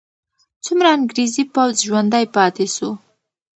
څومره انګریزي پوځ ژوندی پاتې سو؟